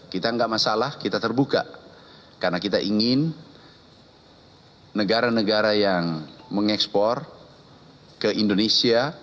kita tidak masalah kita terbuka karena kita ingin negara negara yang mengekspor ke indonesia